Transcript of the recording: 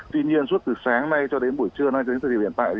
tuy nhiên suốt từ sáng nay cho đến buổi trưa nay đến thời điểm hiện tại